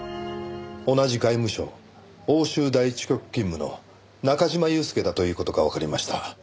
同じ外務省欧州第一局勤務の中嶋祐介だという事がわかりました。